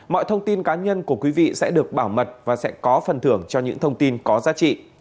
mọi thông tin cá nhân của quý vị sẽ được bảo mật và sẽ có phần thưởng cho những thông tin có giá trị